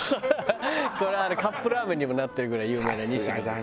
これあれカップラーメンにもなってるぐらい有名なにし乃ですよ。